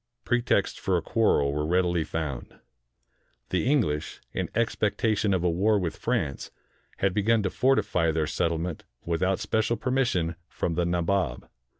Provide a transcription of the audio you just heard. Pretexts for a quarrel were readily found. The English, in expectation of a war with France, had begun to fortify their settlement without special permission from the Nabob.